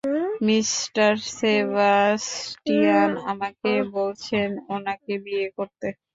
Mister Sebastian আমাকে বলছেন ওনাকে বিয়ে করতে।